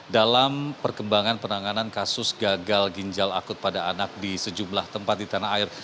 dalam perkembangan penanganan kasus gagal ginjal akut pada anak di sejumlah tempat di tanah air